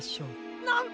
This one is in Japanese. なんと！